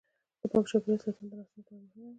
د پاک چاپیریال ساتنه د نسلونو لپاره مهمه ده.